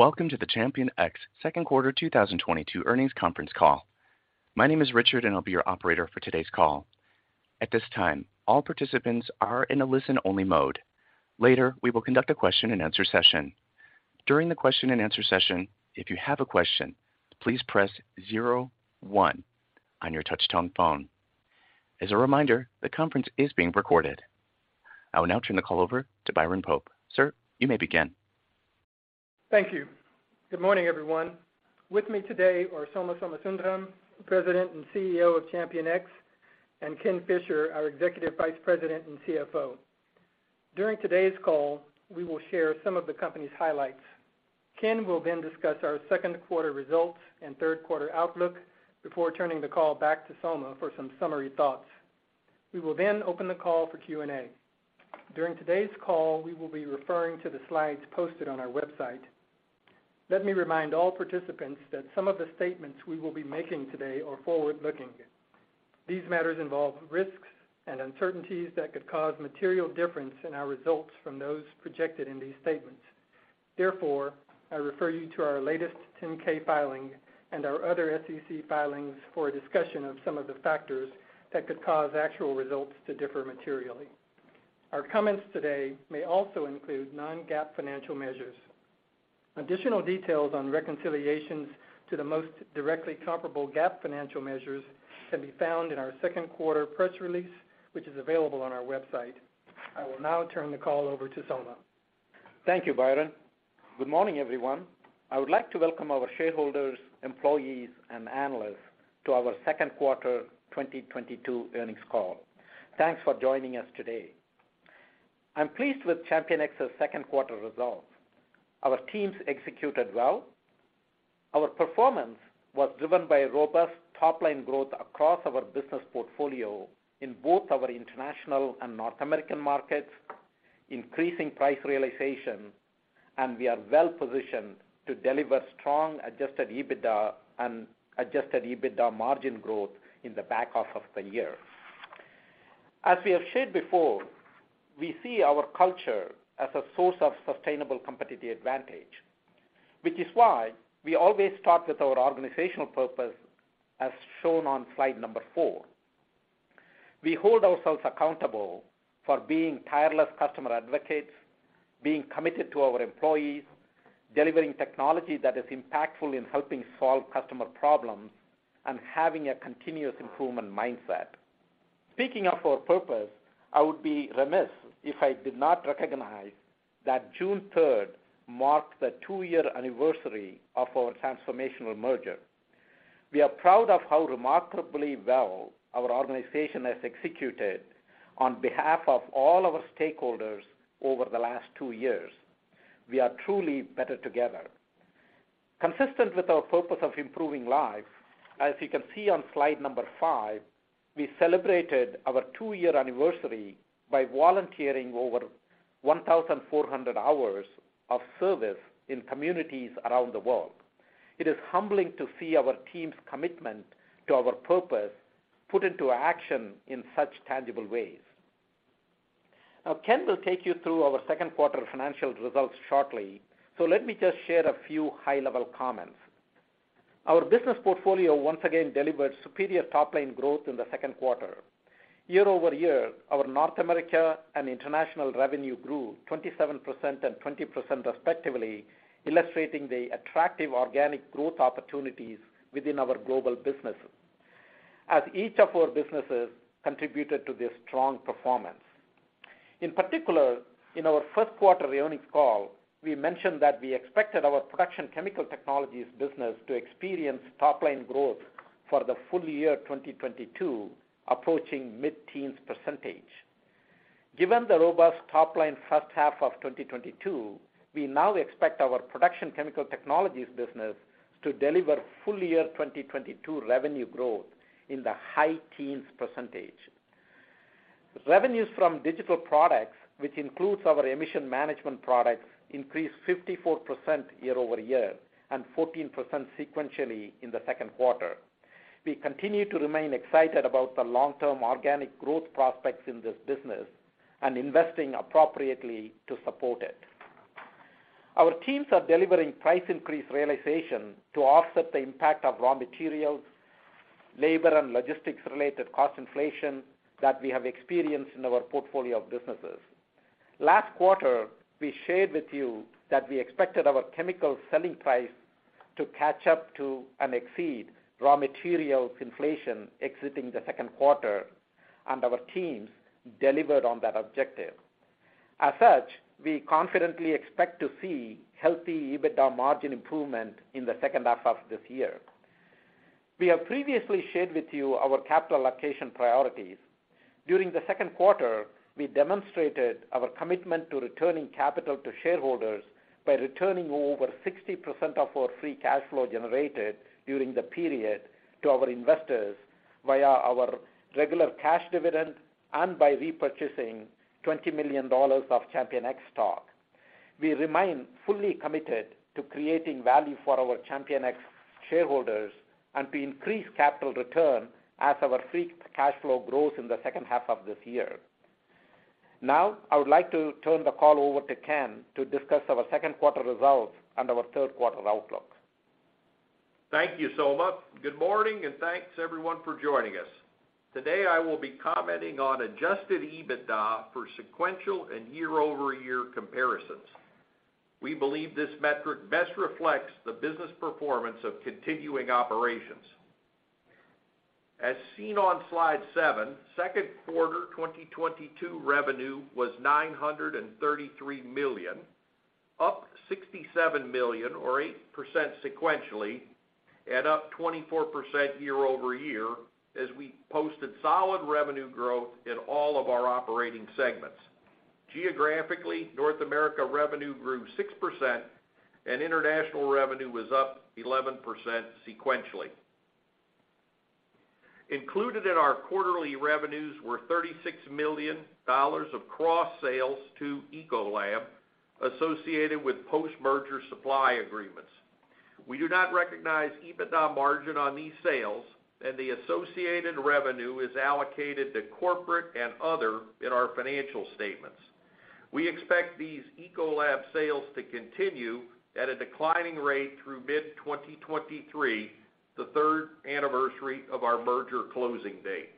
Welcome to the ChampionX second quarter 2022 earnings conference call. My name is Richard, and I'll be your operator for today's call. At this time, all participants are in a listen-only mode. Later, we will conduct a question-and-answer session. During the question-and-answer session, if you have a question, please press zero one on your touchtone phone. As a reminder, the conference is being recorded. I will now turn the call over to Byron Pope. Sir, you may begin. Thank you. Good morning, everyone. With me today are Soma Somasundaram, President and CEO of ChampionX, and Ken Fisher, our Executive Vice President and CFO. During today's call, we will share some of the company's highlights. Ken will then discuss our second quarter results and third quarter outlook before turning the call back to Soma for some summary thoughts. We will then open the call for Q&A. During today's call, we will be referring to the slides posted on our website. Let me remind all participants that some of the statements we will be making today are forward-looking. These matters involve risks and uncertainties that could cause material difference in our results from those projected in these statements. Therefore, I refer you to our latest 10-K filing and our other SEC filings for a discussion of some of the factors that could cause actual results to differ materially. Our comments today may also include non-GAAP financial measures. Additional details on reconciliations to the most directly comparable GAAP financial measures can be found in our second quarter press release, which is available on our website. I will now turn the call over to Soma. Thank you, Byron. Good morning, everyone. I would like to welcome our shareholders, employees, and analysts to our second quarter 2022 earnings call. Thanks for joining us today. I'm pleased with ChampionX's second quarter results. Our teams executed well. Our performance was driven by robust top-line growth across our business portfolio in both our international and North American markets, increasing price realization, and we are well-positioned to deliver strong adjusted EBITDA and adjusted EBITDA margin growth in the back half of the year. As we have shared before, we see our culture as a source of sustainable competitive advantage, which is why we always start with our organizational purpose as shown on slide number four. We hold ourselves accountable for being tireless customer advocates, being committed to our employees, delivering technology that is impactful in helping solve customer problems, and having a continuous improvement mindset. Speaking of our purpose, I would be remiss if I did not recognize that June third marked the two-year anniversary of our transformational merger. We are proud of how remarkably well our organization has executed on behalf of all our stakeholders over the last two years. We are truly better together. Consistent with our purpose of improving life, as you can see on slide number five, we celebrated our two-year anniversary by volunteering over 1,400 hours of service in communities around the world. It is humbling to see our team's commitment to our purpose put into action in such tangible ways. Now, Ken will take you through our second quarter financial results shortly, so let me just share a few high-level comments. Our business portfolio once again delivered superior top-line growth in the second quarter. Year over year, our North America and international revenue grew 27% and 20% respectively, illustrating the attractive organic growth opportunities within our global businesses, as each of our businesses contributed to this strong performance. In particular, in our first quarter earnings call, we mentioned that we expected our Production Chemical Technologies business to experience top-line growth for the full-year 2022 approaching mid-teens %. Given the robust top-line first half of 2022, we now expect our Production Chemical Technologies business to deliver full-year 2022 revenue growth in the high-teens %. Revenues from digital products, which includes our emission management products, increased 54% year over year and 14% sequentially in the second quarter. We continue to remain excited about the long-term organic growth prospects in this business and investing appropriately to support it. Our teams are delivering price increase realization to offset the impact of raw materials, labor, and logistics-related cost inflation that we have experienced in our portfolio of businesses. Last quarter, we shared with you that we expected our chemical selling price to catch up to and exceed raw materials inflation exiting the second quarter, and our teams delivered on that objective. As such, we confidently expect to see healthy EBITDA margin improvement in the second half of this year. We have previously shared with you our capital allocation priorities. During the second quarter, we demonstrated our commitment to returning capital to shareholders by returning over 60% of our free cash flow generated during the period to our investors via our regular cash dividend and by repurchasing $20 million of ChampionX stock. We remain fully committed to creating value for our ChampionX shareholders and to increase capital return as our free cash flow grows in the second half of this year. Now I would like to turn the call over to Ken to discuss our second quarter results and our third quarter outlook. Thank you, Soma. Good morning, and thanks everyone for joining us. Today, I will be commenting on adjusted EBITDA for sequential and year-over-year comparisons. We believe this metric best reflects the business performance of continuing operations. As seen on slide seven, second quarter 2022 revenue was $933 million, up $67 million or 8% sequentially, and up 24% year-over-year as we posted solid revenue growth in all of our operating segments. Geographically, North America revenue grew 6%, and international revenue was up 11% sequentially. Included in our quarterly revenues were $36 million of cross sales to Ecolab associated with post-merger supply agreements. We do not recognize EBITDA margin on these sales, and the associated revenue is allocated to corporate and other in our financial statements. We expect these Ecolab sales to continue at a declining rate through mid-2023, the third anniversary of our merger closing date.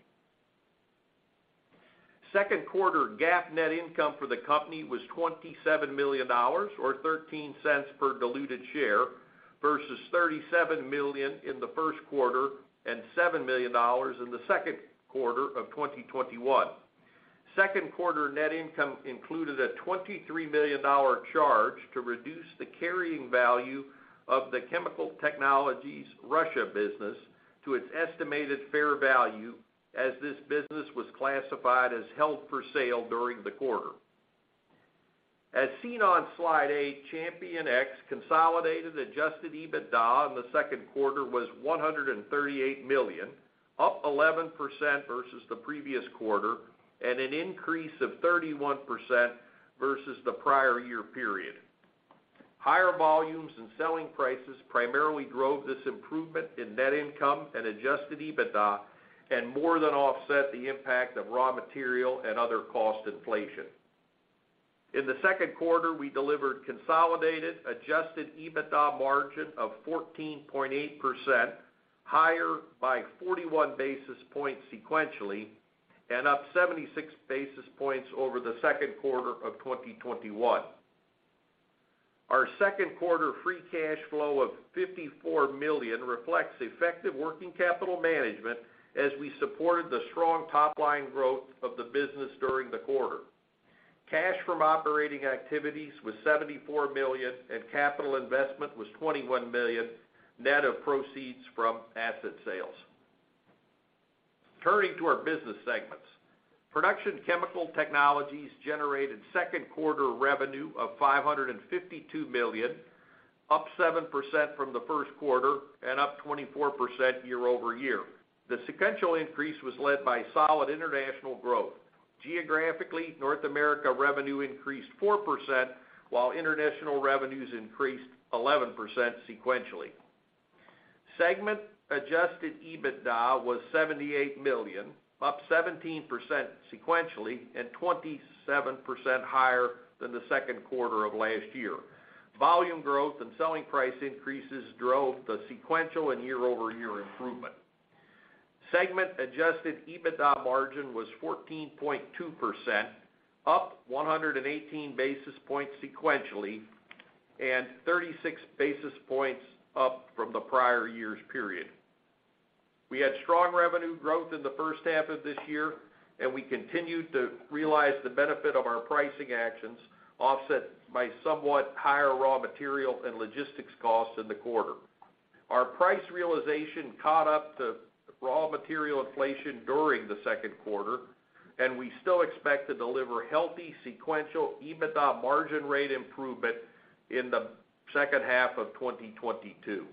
Second quarter GAAP net income for the company was $27 million or $0.13 per diluted share, versus $37 million in the first quarter and $7 million in the second quarter of 2021. Second quarter net income included a $23 million charge to reduce the carrying value of the Chemical Technologies Russia business to its estimated fair value as this business was classified as held for sale during the quarter. As seen on slide eight, ChampionX consolidated adjusted EBITDA in the second quarter was $138 million, up 11% versus the previous quarter, and an increase of 31% versus the prior year period. Higher volumes and selling prices primarily drove this improvement in net income and adjusted EBITDA and more than offset the impact of raw material and other cost inflation. In the second quarter, we delivered consolidated adjusted EBITDA margin of 14.8%, higher by 41 basis points sequentially, and up 76 basis points over the second quarter of 2021. Our second quarter free cash flow of $54 million reflects effective working capital management as we supported the strong top line growth of the business during the quarter. Cash from operating activities was $74 million, and capital investment was $21 million, net of proceeds from asset sales. Turning to our business segments. Production Chemical Technologies generated second quarter revenue of $552 million, up 7% from the first quarter and up 24% year-over-year. The sequential increase was led by solid international growth. Geographically, North America revenue increased 4%, while international revenues increased 11% sequentially. Segment adjusted EBITDA was $78 million, up 17% sequentially and 27% higher than the second quarter of last year. Volume growth and selling price increases drove the sequential and year-over-year improvement. Segment adjusted EBITDA margin was 14.2%, up 118 basis points sequentially, and 36 basis points up from the prior year's period. We had strong revenue growth in the first half of this year, and we continued to realize the benefit of our pricing actions, offset by somewhat higher raw material and logistics costs in the quarter. Our price realization caught up to raw material inflation during the second quarter, and we still expect to deliver healthy sequential EBITDA margin rate improvement in the second half of 2022.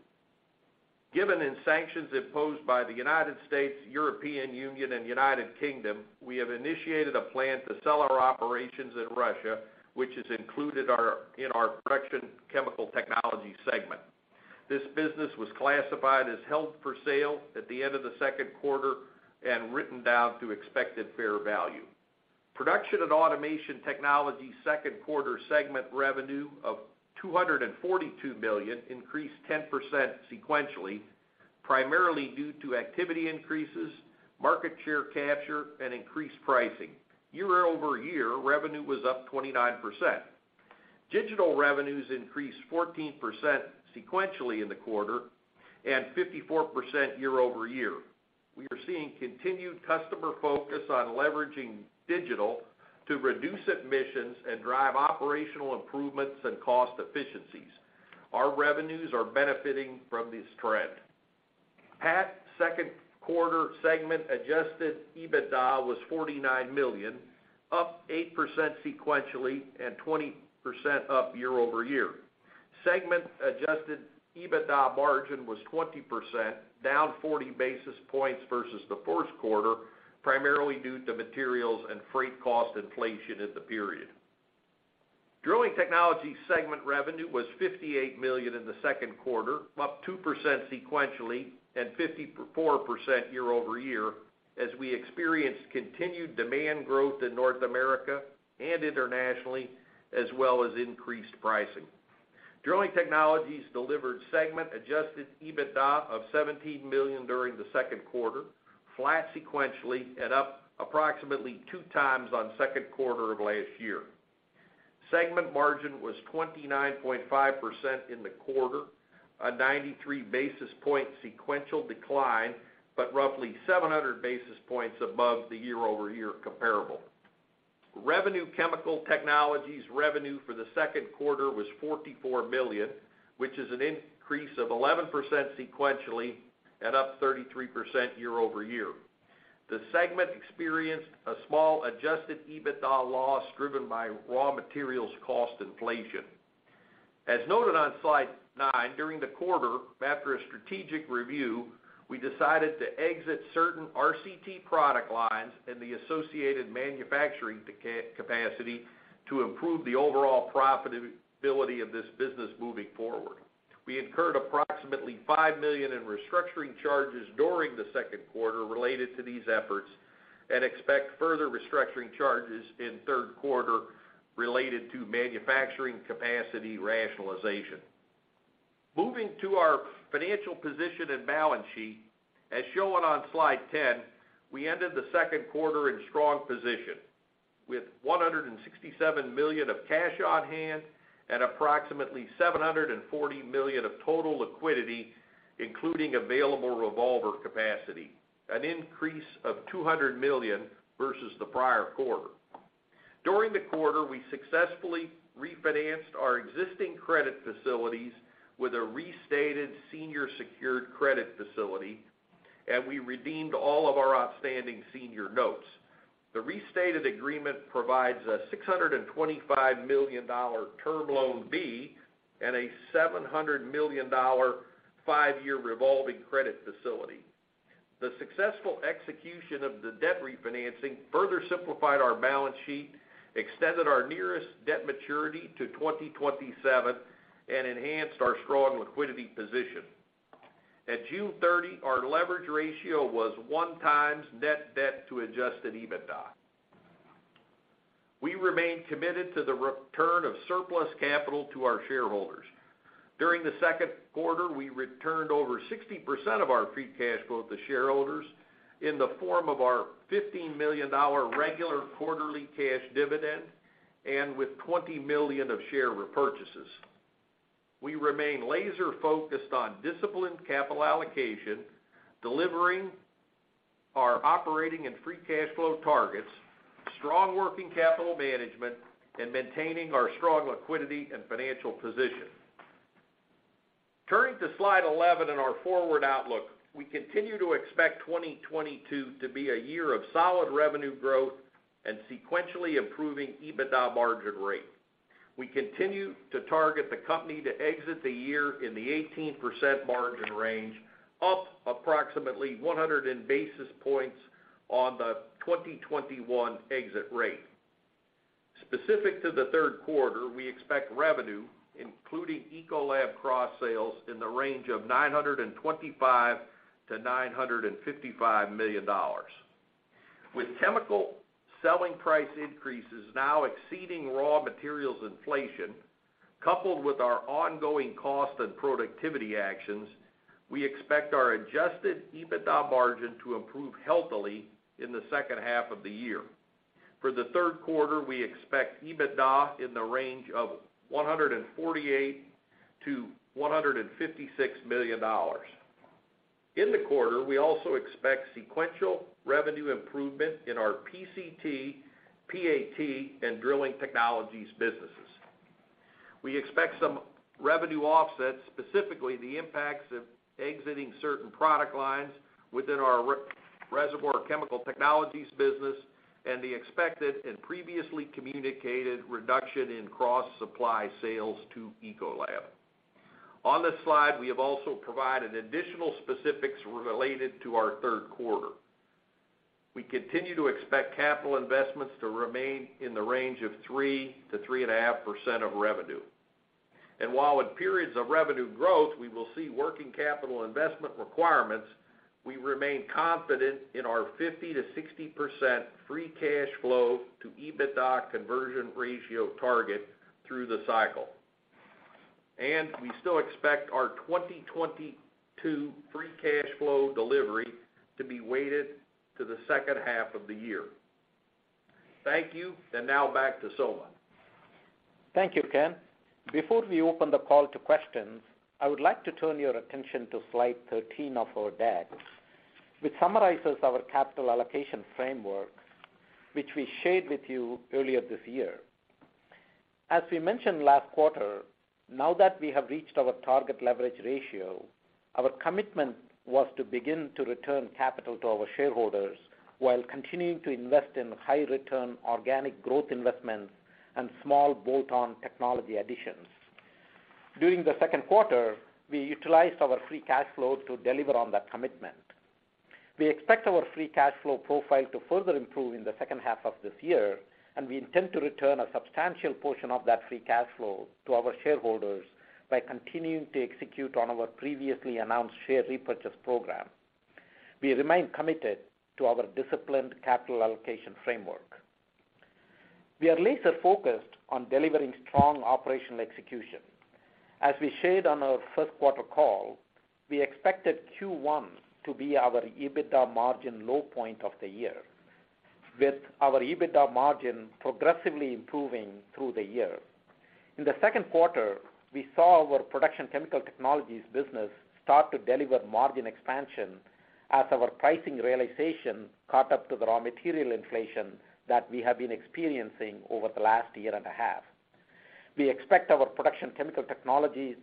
Given sanctions imposed by the United States, European Union, and United Kingdom, we have initiated a plan to sell our operations in Russia, which is included in our Production Chemical Technologies segment. This business was classified as held for sale at the end of the second quarter and written down to expected fair value. Production and Automation Technologies second quarter segment revenue of $242 million increased 10% sequentially, primarily due to activity increases, market share capture, and increased pricing. Year-over-year, revenue was up 29%. Digital revenues increased 14% sequentially in the quarter and 54% year-over-year. We are seeing continued customer focus on leveraging digital to reduce emissions and drive operational improvements and cost efficiencies. Our revenues are benefiting from this trend. PAT second quarter segment adjusted EBITDA was $49 million, up 8% sequentially and 20% year-over-year. Segment adjusted EBITDA margin was 20%, down 40 basis points versus the first quarter, primarily due to materials and freight cost inflation in the period. Drilling Technologies segment revenue was $58 million in the second quarter, up 2% sequentially and 54% year-over-year, as we experienced continued demand growth in North America and internationally, as well as increased pricing. Drilling Technologies delivered segment adjusted EBITDA of $17 million during the second quarter, flat sequentially and up approximately 2x the second quarter of last year. Segment margin was 29.5% in the quarter, a 93 basis point sequential decline, but roughly 700 basis points above the year-over-year comparable. Revenue. Chemical Technologies revenue for the second quarter was $44 million, which is an increase of 11% sequentially and up 33% year-over-year. The segment experienced a small adjusted EBITDA loss driven by raw materials cost inflation. As noted on slide nine, during the quarter, after a strategic review, we decided to exit certain RCT product lines and the associated manufacturing capacity to improve the overall profitability of this business moving forward. We incurred approximately $5 million in restructuring charges during the second quarter related to these efforts and expect further restructuring charges in third quarter related to manufacturing capacity rationalization. Moving to our financial position and balance sheet. As shown on slide 10, we ended the second quarter in strong position with $167 million of cash on hand and approximately $740 million of total liquidity, including available revolver capacity, an increase of $200 million versus the prior quarter. During the quarter, we successfully refinanced our existing credit facilities with a restated senior secured credit facility, and we redeemed all of our outstanding senior notes. The restated agreement provides a $625 million Term Loan B and a $700 million five-year revolving credit facility. The successful execution of the debt refinancing further simplified our balance sheet, extended our nearest debt maturity to 2027, and enhanced our strong liquidity position. At June 30, our leverage ratio was 1x net debt to adjusted EBITDA. We remain committed to the return of surplus capital to our shareholders. During the second quarter, we returned over 60% of our free cash flow to shareholders in the form of our $15 million regular quarterly cash dividend and with $20 million of share repurchases. We remain laser focused on disciplined capital allocation, delivering our operating and free cash flow targets, strong working capital management, and maintaining our strong liquidity and financial position. Turning to slide 11 in our forward outlook. We continue to expect 2022 to be a year of solid revenue growth and sequentially improving EBITDA margin rate. We continue to target the company to exit the year in the 18% margin range, up approximately 100 basis points on the 2021 exit rate. Specific to the third quarter, we expect revenue, including Ecolab cross-sales, in the range of $925 million-$955 million. With chemical selling price increases now exceeding raw materials inflation, coupled with our ongoing cost and productivity actions, we expect our adjusted EBITDA margin to improve healthily in the second half of the year. For the third quarter, we expect EBITDA in the range of $148 million-$156 million. In the quarter, we also expect sequential revenue improvement in our PCT, PAT, and Drilling Technologies businesses. We expect some revenue offsets, specifically the impacts of exiting certain product lines within our Reservoir Chemical Technologies business and the expected and previously communicated reduction in cross-supply sales to Ecolab. On this slide, we have also provided additional specifics related to our third quarter. We continue to expect capital investments to remain in the range of 3%-3.5% of revenue. While in periods of revenue growth, we will see working capital investment requirements, we remain confident in our 50%-60% free cash flow to EBITDA conversion ratio target through the cycle. We still expect our 2022 free cash flow delivery to be weighted to the second half of the year. Thank you. Now back to Soma. Thank you, Ken. Before we open the call to questions, I would like to turn your attention to slide 13 of our deck, which summarizes our capital allocation framework, which we shared with you earlier this year. As we mentioned last quarter, now that we have reached our target leverage ratio, our commitment was to begin to return capital to our shareholders while continuing to invest in high return organic growth investments and small bolt-on technology additions. During the second quarter, we utilized our free cash flow to deliver on that commitment. We expect our free cash flow profile to further improve in the second half of this year, and we intend to return a substantial portion of that free cash flow to our shareholders by continuing to execute on our previously announced share repurchase program. We remain committed to our disciplined capital allocation framework. We are laser-focused on delivering strong operational execution. As we shared on our first quarter call, we expected Q1 to be our EBITDA margin low point of the year, with our EBITDA margin progressively improving through the year. In the second quarter, we saw our Production Chemical Technologies business start to deliver margin expansion as our pricing realization caught up to the raw material inflation that we have been experiencing over the last year and a half. We expect our Production Chemical Technologies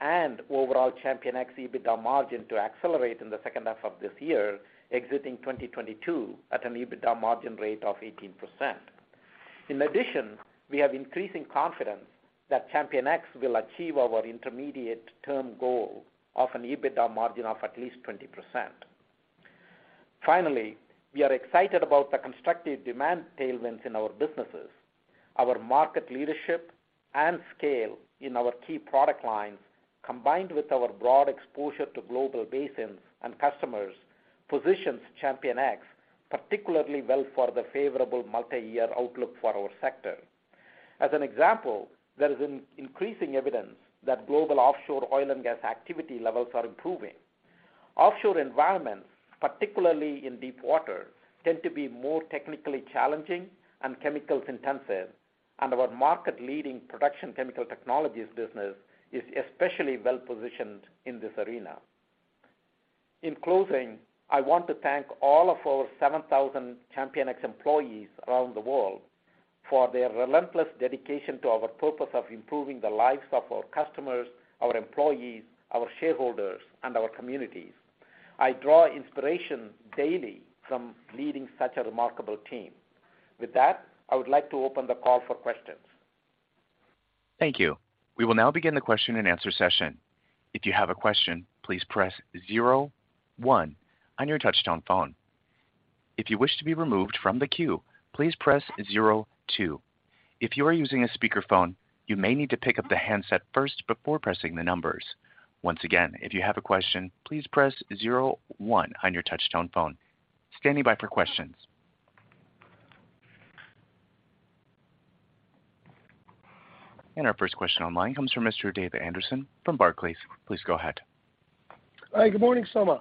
and overall ChampionX EBITDA margin to accelerate in the second half of this year, exiting 2022 at an EBITDA margin rate of 18%. In addition, we have increasing confidence that ChampionX will achieve our intermediate term goal of an EBITDA margin of at least 20%. Finally, we are excited about the constructive demand tailwinds in our businesses. Our market leadership and scale in our key product lines, combined with our broad exposure to global basins and customers, positions ChampionX particularly well for the favorable multi-year outlook for our sector. As an example, there is increasing evidence that global offshore oil and gas activity levels are improving. Offshore environments, particularly in deep water, tend to be more technically challenging and chemicals intensive, and our market-leading Production Chemical Technologies business is especially well-positioned in this arena. In closing, I want to thank all of our 7,000 ChampionX employees around the world for their relentless dedication to our purpose of improving the lives of our customers, our employees, our shareholders, and our communities. I draw inspiration daily from leading such a remarkable team. With that, I would like to open the call for questions. Thank you. We will now begin the question-and-answer session. If you have a question, please press zero one on your touch-tone phone. If you wish to be removed from the queue, please press zero two. If you are using a speakerphone, you may need to pick up the handset first before pressing the numbers. Once again, if you have a question, please press zero one on your touch-tone phone. Standing by for questions. Our first question online comes from Mr. Dave Anderson from Barclays. Please go ahead. Hi. Good morning, Soma.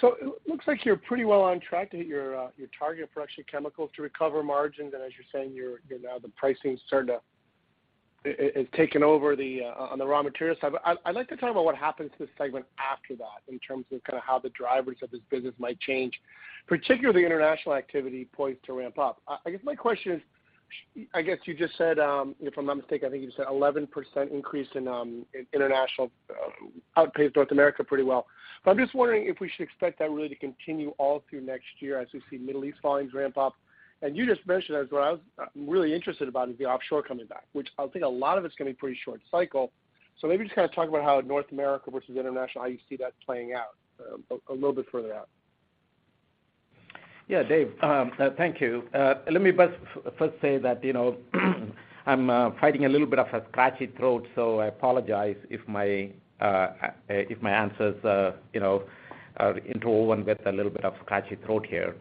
So it looks like you're pretty well on track to hit your your target for actually chemicals to recover margins. As you're saying, you're now the pricing is taking over on the raw material side. I'd like to talk about what happens to the segment after that in terms of kinda how the drivers of this business might change, particularly international activity poised to ramp up. I guess my question is, I guess you just said, if I'm not mistaken, I think you said 11% increase in international outpaced North America pretty well. I'm just wondering if we should expect that really to continue all through next year as we see Middle East volumes ramp up. You just mentioned, that's what I was really interested about is the offshore coming back, which I think a lot of it's gonna be pretty short cycle. Maybe just kinda talk about how North America versus international, how you see that playing out a little bit further out. Yeah, Dave, thank you. Let me first say that, you know, I'm fighting a little bit of a scratchy throat, so I apologize if my answers are, you know, interwoven with a little bit of scratchy throat here.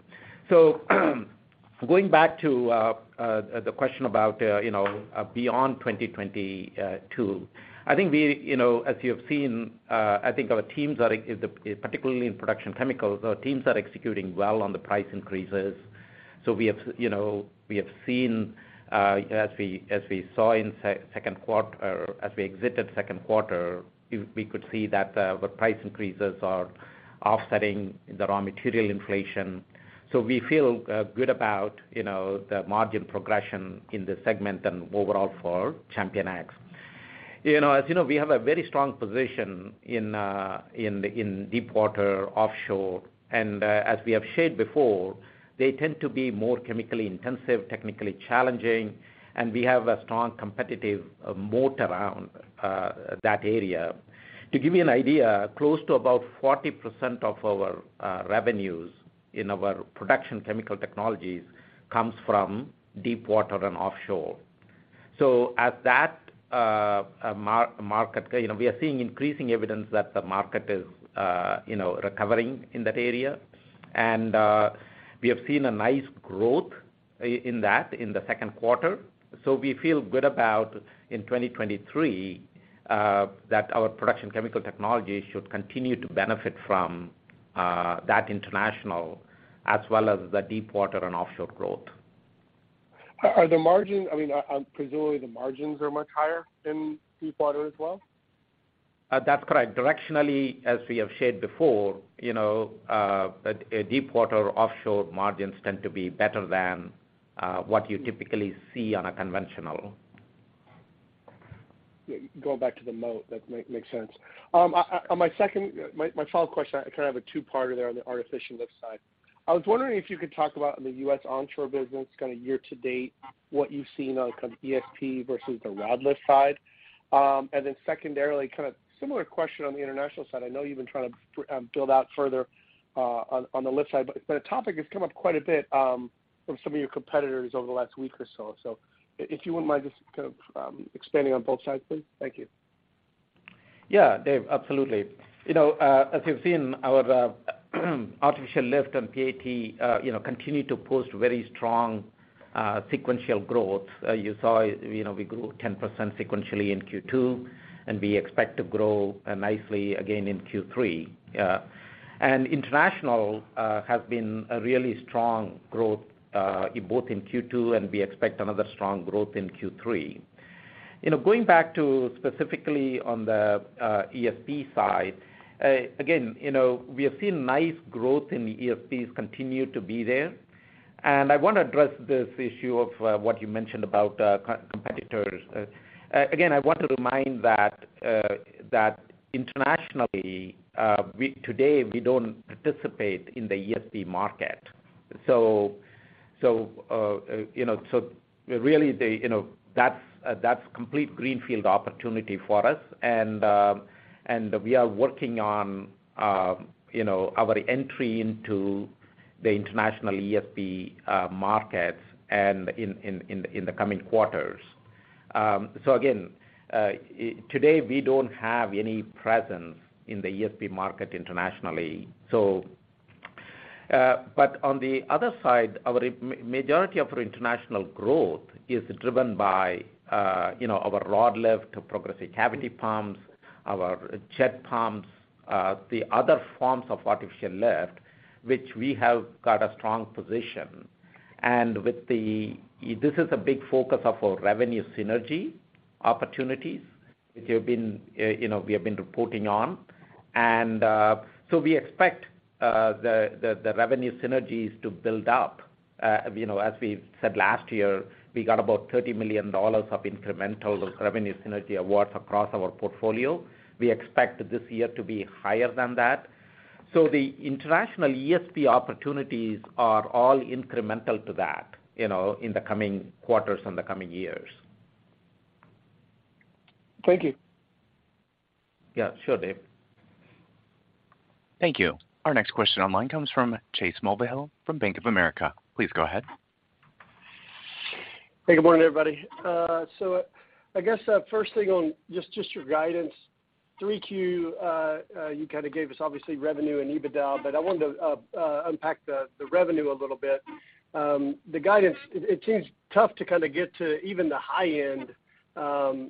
Going back to the question about, you know, beyond 2022, I think we, you know, as you have seen, I think our teams are particularly in production chemicals executing well on the price increases. We have seen, as we saw in second quarter, as we exited second quarter, we could see that the price increases are offsetting the raw material inflation. We feel good about, you know, the margin progression in this segment and overall for ChampionX. You know, as you know, we have a very strong position in deepwater offshore. As we have shared before, they tend to be more chemically intensive, technically challenging, and we have a strong competitive moat around that area. To give you an idea, close to about 40% of our revenues in our Production Chemical Technologies comes from deepwater and offshore. At that market, you know, we are seeing increasing evidence that the market is recovering in that area. We have seen a nice growth in that in the second quarter. We feel good about in 2023 that our Production Chemical Technology should continue to benefit from that international as well as the deepwater and offshore growth. I mean, I'm presumably the margins are much higher in deepwater as well? That's correct. Directionally, as we have shared before, you know, a deepwater offshore margins tend to be better than what you typically see on a conventional. Yeah, going back to the moat, that makes sense. On my second. My final question, I kinda have a two-parter there on the Artificial Lift side. I was wondering if you could talk about the U.S. onshore business kinda year to date. What you've seen on kind of ESP versus the Rod Lift side. And then secondarily, kind of similar question on the international side. I know you've been trying to build out further on the lift side, but the topic has come up quite a bit from some of your competitors over the last week or so. So if you wouldn't mind just kind of expanding on both sides, please. Thank you. Yeah, Dave, absolutely. You know, as you've seen, our Artificial Lift and PAT, you know, continue to post very strong sequential growth. You saw, you know, we grew 10% sequentially in Q2, and we expect to grow nicely again in Q3. International has been a really strong growth both in Q2, and we expect another strong growth in Q3. You know, going back to specifically on the ESP side, again, you know, we have seen nice growth in the ESPs continue to be there. I wanna address this issue of what you mentioned about competitors. Again, I want to remind that internationally, today, we don't participate in the ESP market. So, you know, really the, you know, that's complete greenfield opportunity for us. We are working on, you know, our entry into the international ESP markets in the coming quarters. Again, today, we don't have any presence in the ESP market internationally. But on the other side, our majority of our international growth is driven by, you know, our Rod Lift, too, progressing cavity pumps, our jet pumps, the other forms of artificial lift, which we have got a strong position. This is a big focus of our revenue synergy opportunities, which have been, you know, we have been reporting on. We expect the revenue synergies to build up. You know, as we said last year, we got about $30 million of incremental revenue synergy awards across our portfolio. We expect this year to be higher than that. The international ESP opportunities are all incremental to that, you know, in the coming quarters and the coming years. Thank you. Yeah, sure, Dave. Thank you. Our next question online comes from Chase Mulvihill from Bank of America. Please go ahead. Hey, good morning, everybody. I guess first thing on just your guidance. 3Q, you kind of gave us obviously revenue and EBITDA, but I wanted to unpack the revenue a little bit. The guidance, it seems tough to kind of get to even the high end,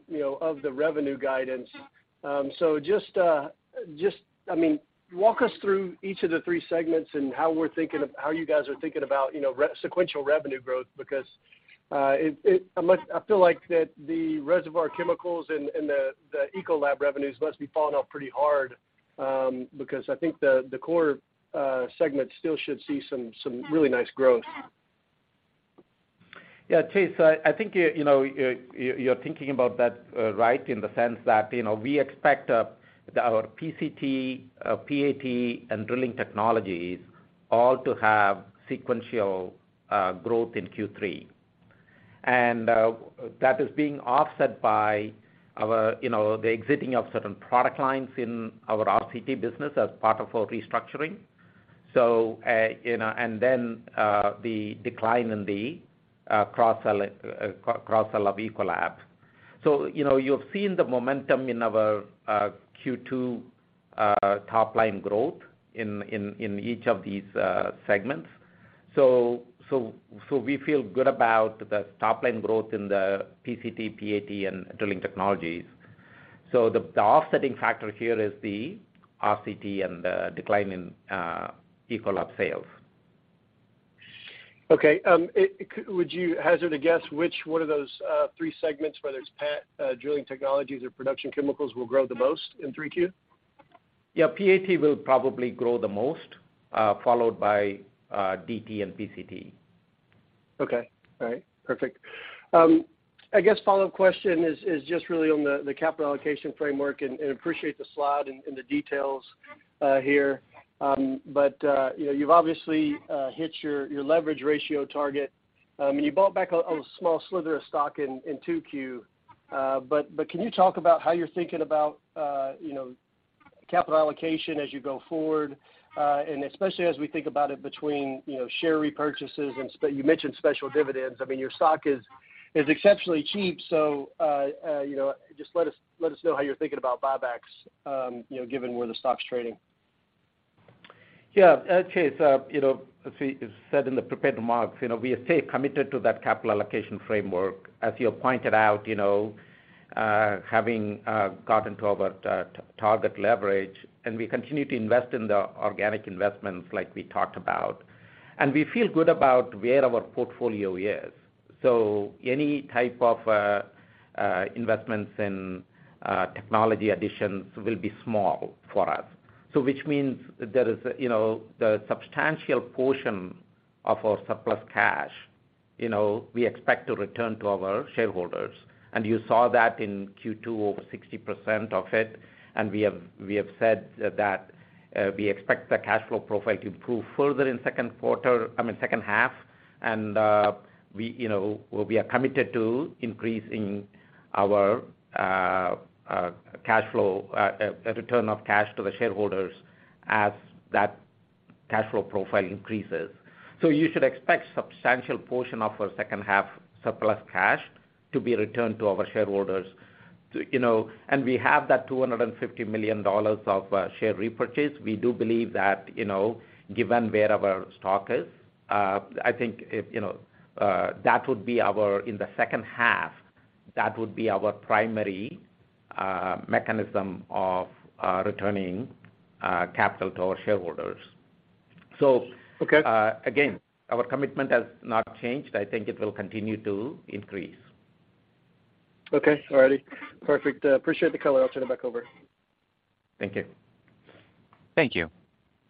you know, of the revenue guidance. Just, I mean, walk us through each of the three segments and how you guys are thinking about, you know, sequential revenue growth because I feel like the reservoir chemicals and the Ecolab revenues must be falling off pretty hard, because I think the core segment still should see some really nice growth. Yeah, Chase, I think you're, you know, thinking about that right in the sense that, you know, we expect our PCT, PAT, and Drilling Technologies all to have sequential growth in Q3. That is being offset by our, you know, the exiting of certain product lines in our RCT business as part of our restructuring. You know, and then the decline in the cross-sell of Ecolab. You know, you've seen the momentum in our Q2 top line growth in each of these segments. We feel good about the top line growth in the PCT, PAT, and Drilling Technologies. The offsetting factor here is the RCT and the decline in Ecolab sales. Would you hazard a guess which one of those three segments, whether it's PAT, Drilling Technologies or Production Chemicals will grow the most in 3Q? Yeah, PAT will probably grow the most, followed by DT and PCT. Okay. All right. Perfect. I guess follow-up question is just really on the capital allocation framework, and appreciate the slide and the details here. But you know, you've obviously hit your leverage ratio target. And you bought back a small sliver of stock in 2Q. But can you talk about how you're thinking about you know, capital allocation as you go forward, and especially as we think about it between you know, share repurchases and you mentioned special dividends. I mean, your stock is exceptionally cheap. You know, just let us know how you're thinking about buybacks you know, given where the stock's trading. Yeah. Chase, you know, as we said in the prepared remarks, you know, we are stay committed to that capital allocation framework. As you have pointed out, you know, having gotten to our target leverage, and we continue to invest in the organic investments like we talked about. We feel good about where our portfolio is. Any type of investments in technology additions will be small for us. Which means there is, you know, the substantial portion of our surplus cash, you know, we expect to return to our shareholders. You saw that in Q2, over 60% of it, and we have said that we expect the cash flow profile to improve further in second quarter, I mean, second half. We, you know, are committed to increasing our cash flow return of cash to the shareholders as that cash flow profile increases. You should expect substantial portion of our second half surplus cash to be returned to our shareholders. You know, we have that $250 million of share repurchase. We do believe that, you know, given where our stock is, I think in the second half that would be our primary mechanism of returning capital to our shareholders. Okay. Again, our commitment has not changed. I think it will continue to increase. Okay. All righty. Perfect. Appreciate the color. I'll turn it back over. Thank you. Thank you.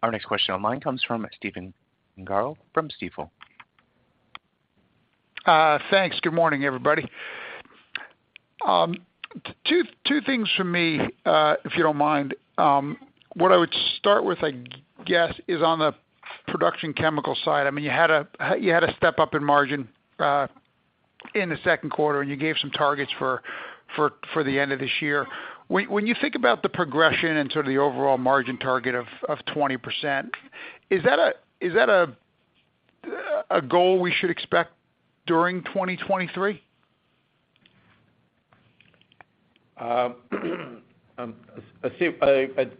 Our next question online comes from Stephen Gengaro from Stifel. Thanks. Good morning, everybody. Two things from me, if you don't mind. What I would start with, I guess, is on the production chemical side. I mean, you had a step up in margin in the second quarter, and you gave some targets for the end of this year. When you think about the progression and sort of the overall margin target of 20%, is that a goal we should expect during 2023? Stephen,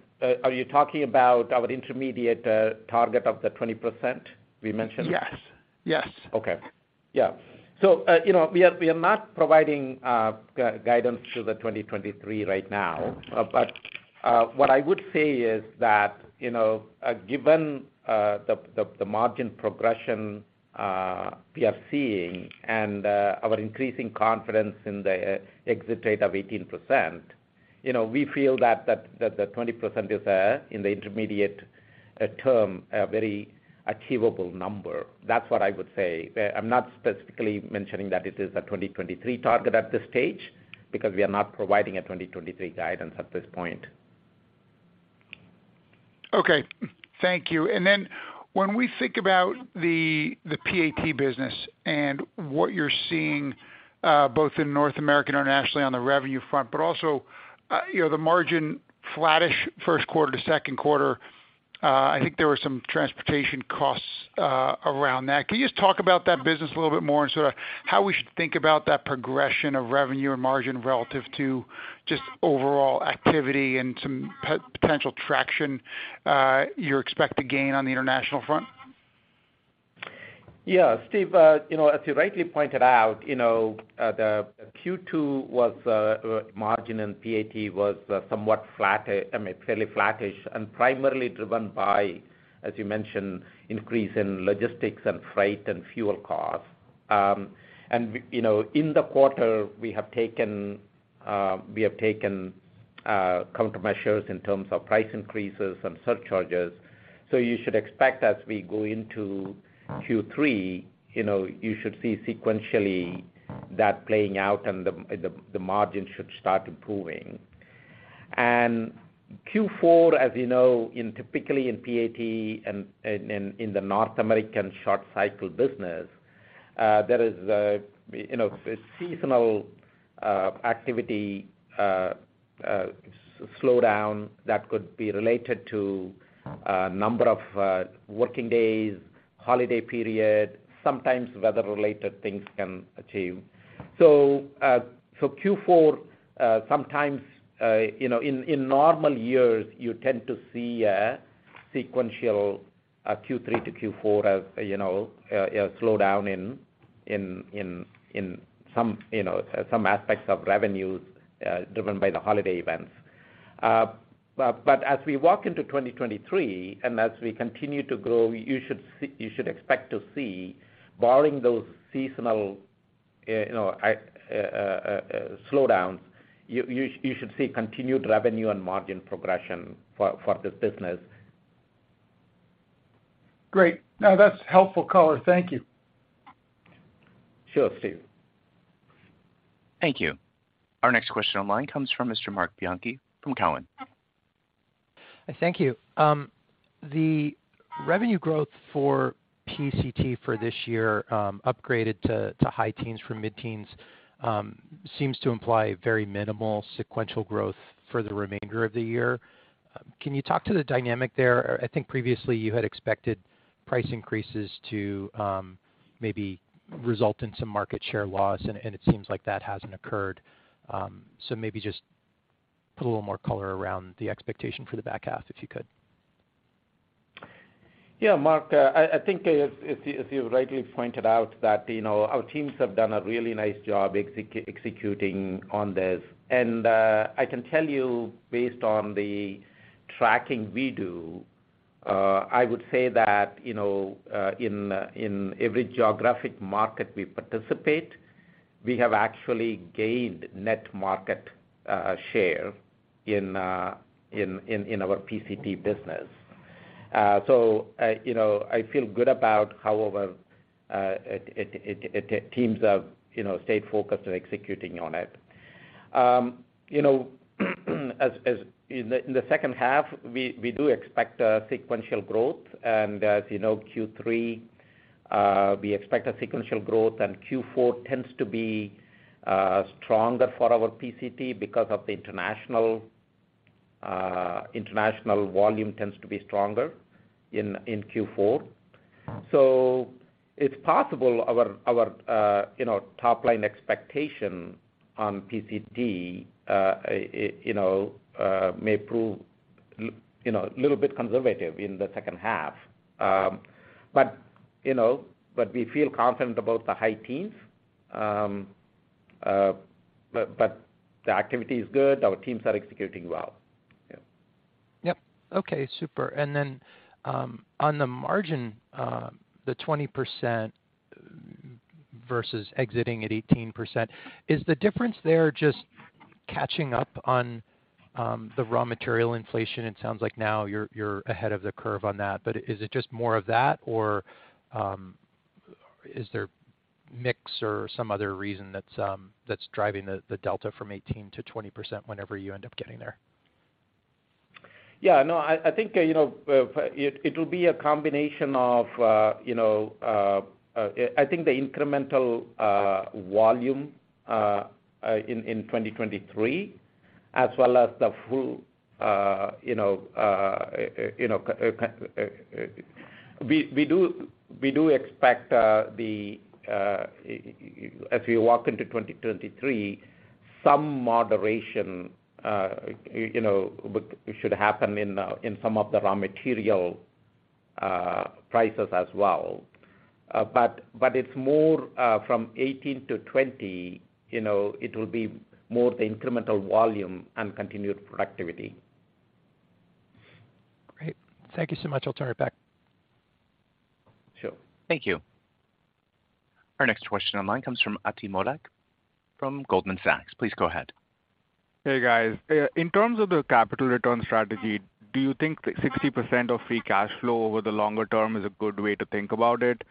are you talking about our intermediate target of the 20% we mentioned? Yes. Yes. Okay. Yeah. We are not providing guidance to 2023 right now. But what I would say is that, you know, given the margin progression we are seeing and our increasing confidence in the exit rate of 18%, you know, we feel that the 20% is in the intermediate term a very achievable number. That's what I would say. I'm not specifically mentioning that it is a 2023 target at this stage because we are not providing a 2023 guidance at this point. Okay. Thank you. Then when we think about the PAT business and what you're seeing both in North America and internationally on the revenue front, but also you know, the margin flattish first quarter to second quarter, I think there were some transportation costs around that. Can you just talk about that business a little bit more and sort of how we should think about that progression of revenue and margin relative to just overall activity and some potential traction you expect to gain on the international front? Yeah. Stephen, you know, as you rightly pointed out, you know, the Q2 margin and PAT was somewhat flat, I mean, fairly flattish and primarily driven by, as you mentioned, increase in logistics and freight and fuel costs. You know, in the quarter, we have taken countermeasures in terms of price increases and surcharges. You should expect as we go into Q3, you know, you should see sequentially that playing out and the margin should start improving. Q4, as you know, typically in PAT and in the North American short cycle business, there is, you know, a seasonal activity slowdown that could be related to number of working days, holiday period, sometimes weather related things can affect. Sometimes, you know, in normal years, you tend to see a sequential Q3 to Q4 as, you know, a slowdown in some aspects of revenues, driven by the holiday events. As we walk into 2023, and as we continue to grow, you should expect to see barring those seasonal, you know, slowdowns, you should see continued revenue and margin progression for this business. Great. No, that's helpful color. Thank you. Sure, Steve. Thank you. Our next question online comes from Mr. Marc Bianchi from Cowen. Thank you. The revenue growth for PCT for this year, upgraded to high teens% from mid-teens%, seems to imply very minimal sequential growth for the remainder of the year. Can you talk to the dynamic there? I think previously you had expected price increases to maybe result in some market share loss, and it seems like that hasn't occurred. So maybe just put a little more color around the expectation for the back half, if you could. Yeah. Marc, I think as you rightly pointed out that, you know, our teams have done a really nice job executing on this. I can tell you based on the tracking we do. I would say that, you know, in every geographic market we participate, we have actually gained net market share in our PCT business. You know, I feel good about how our teams have stayed focused on executing on it. You know, in the second half, we do expect sequential growth. As you know, Q3, we expect a sequential growth, and Q4 tends to be stronger for our PCT because of the international volume. International volume tends to be stronger in Q4. It's possible our top line expectation on PCT may prove a little bit conservative in the second half. We feel confident about the high teens, but the activity is good. Our teams are executing well. Yeah. Yep. Okay, super. On the margin, the 20% versus exiting at 18%, is the difference there just catching up on the raw material inflation? It sounds like now you're ahead of the curve on that, but is it just more of that, or is there mix or some other reason that's driving the delta from 18%-20% whenever you end up getting there? Yeah, no, I think, you know, it'll be a combination of, you know, the incremental volume in 2023, as well as the full. We do expect, as we walk into 2023, some moderation, you know, should happen in some of the raw material prices as well. It's more from 18 to 20, you know, it'll be more the incremental volume and continued productivity. Great. Thank you so much. I'll turn it back. Sure. Thank you. Our next question online comes from Ati Modak from Goldman Sachs. Please go ahead. Hey, guys. In terms of the capital return strategy, do you think that 60% of free cash flow over the longer term is a good way to think about it?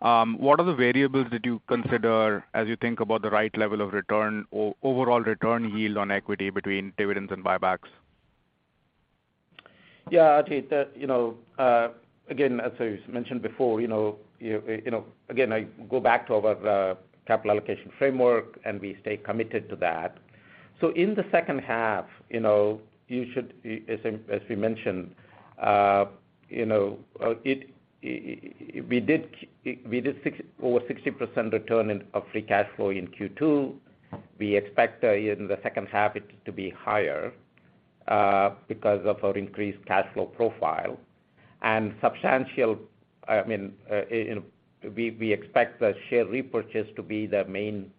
What are the variables that you consider as you think about the right level of return or overall return yield on equity between dividends and buybacks? Yeah. Atif, again, as I mentioned before, I go back to our capital allocation framework, and we stay committed to that. In the second half, you should, as we mentioned, we did over 60% return of free cash flow in Q2. We expect in the second half it to be higher because of our increased cash flow profile. Substantial, we expect the share repurchase to be the main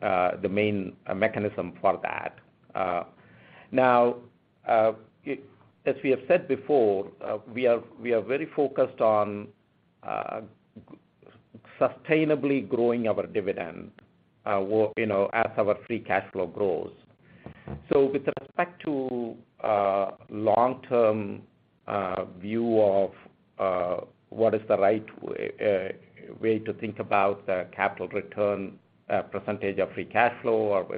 mechanism for that. As we have said before, we are very focused on sustainably growing our dividend as our free cash flow grows. With respect to long-term view of what is the right way to think about the capital return percentage of free cash flow.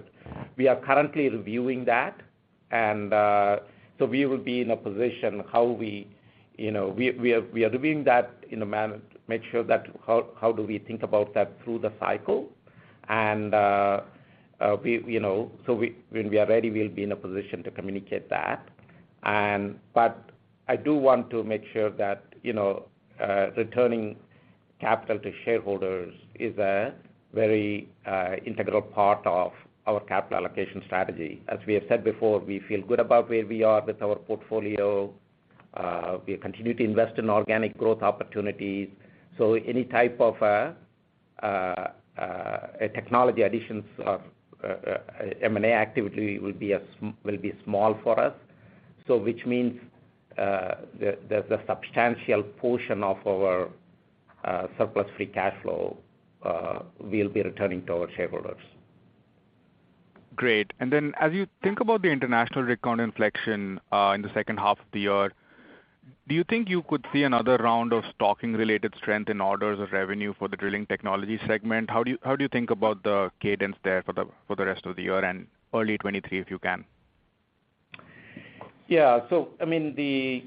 We are currently reviewing that. We will be in a position, you know, we are doing that in a manner to make sure that how do we think about that through the cycle. You know, when we are ready, we'll be in a position to communicate that. I do want to make sure that, you know, returning capital to shareholders is a very integral part of our capital allocation strategy. As we have said before, we feel good about where we are with our portfolio. We continue to invest in organic growth opportunities. Any type of technology additions or M&A activity will be small for us. Which means the substantial portion of our surplus free cash flow will be returning to our shareholders. Great. As you think about the international rig count inflection in the second half of the year, do you think you could see another round of stocking related strength in orders or revenue for the Drilling Technologies segment? How do you think about the cadence there for the rest of the year and early 2023, if you can? Yeah. I mean, the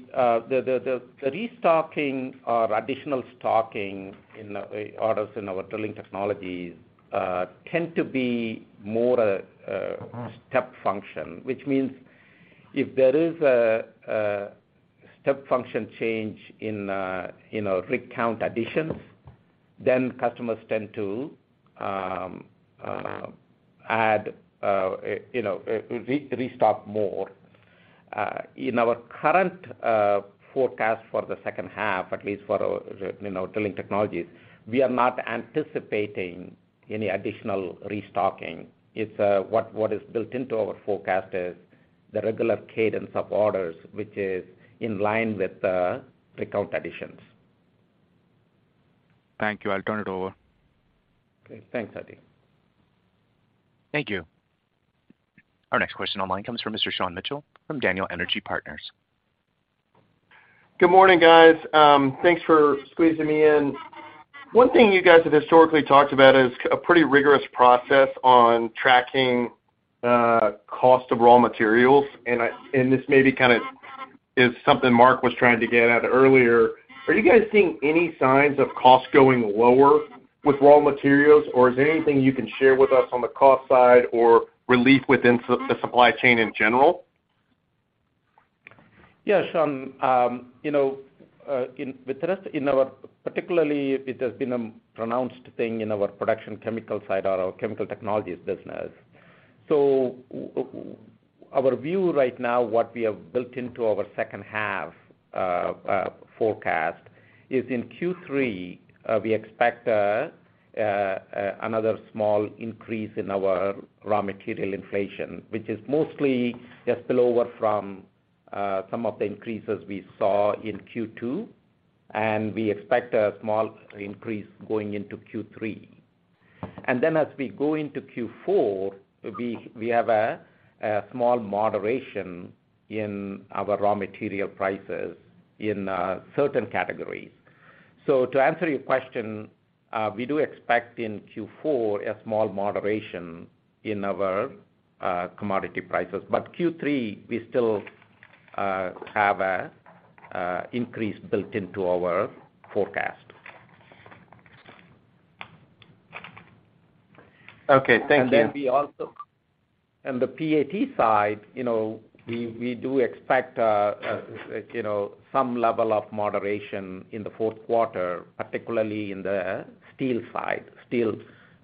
restocking or additional stocking in the orders in our Drilling Technologies tend to be more a step function, which means if there is a step function change in our rig count additions, then customers tend to add, you know, restock more. In our current forecast for the second half, at least for, you know, Drilling Technologies, we are not anticipating any additional restocking. It's what is built into our forecast is the regular cadence of orders, which is in line with the rig count additions. Thank you. I'll turn it over. Okay, thanks, Ati. Thank you. Our next question online comes from Mr. Sean Mitchell from Daniel Energy Partners. Good morning, guys. Thanks for squeezing me in. One thing you guys have historically talked about is a pretty rigorous process on tracking cost of raw materials, and this may be kind of is something Marc was trying to get at earlier. Are you guys seeing any signs of costs going lower with raw materials, or is there anything you can share with us on the cost side or relief within the supply chain in general? Yeah, Sean. You know, in with us in our particularly it has been a pronounced thing in our production chemical side or our Chemical Technologies business. Our view right now, what we have built into our second half forecast, is in Q3 we expect another small increase in our raw material inflation, which is mostly just spillover from some of the increases we saw in Q2, and we expect a small increase going into Q3. As we go into Q4, we have a small moderation in our raw material prices in certain categories. To answer your question, we do expect in Q4 a small moderation in our commodity prices. Q3, we still have a increase built into our forecast. Okay. Thank you. In the PAT side, you know, we do expect some level of moderation in the fourth quarter, particularly in the steel side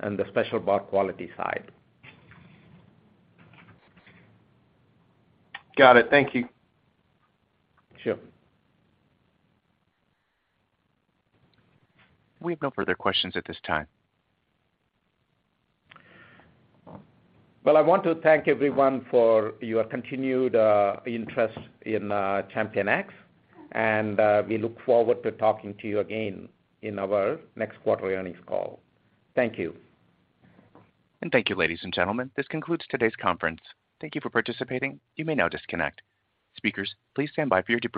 and the Special Bar Quality side. Got it. Thank you. Sure. We've no further questions at this time. Well, I want to thank everyone for your continued interest in ChampionX, and we look forward to talking to you again in our next quarter earnings call. Thank you. Thank you, ladies and gentlemen. This concludes today's conference. Thank you for participating. You may now disconnect. Speakers, please stand by for your departure.